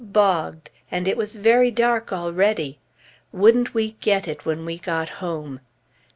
Bogged, and it was very dark already! Wouldn't we get it when we got home!